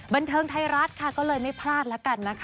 บันเทิงไทยรัฐไม่พลาดหน่อย